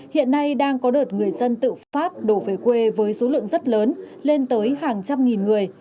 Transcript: hiện nay đang có đợt người dân tự phát đổ về quê với số lượng rất lớn lên tới hàng trăm nghìn người